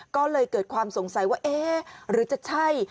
ก็เลยเกิดความสงสัยว่าเอ๊ะหรือจะใช่